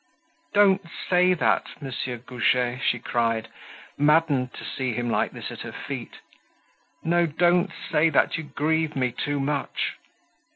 "Don't say that, Monsieur Goujet!" she cried, maddened to see him like this at her feet. "No, don't say that; you grieve me too much."